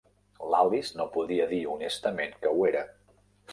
L'Alice no podia dir honestament que ho era.